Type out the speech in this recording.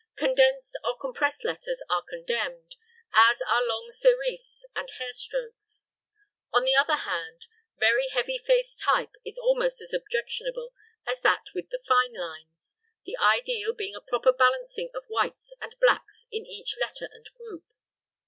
Condensed or compressed letters are condemned, as are long serifs and hair strokes. On the other hand, very heavy faced type is almost as objectionable as that with the fine lines, the ideal being a proper balancing of whites and blacks in each letter and group.